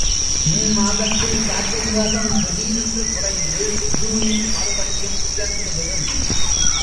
மே மாதத்தில் காற்றின் வேகம் திடீரென்று குறைந்து ஜூனில் மறுபடியும் உயர்ந்துவிடும்.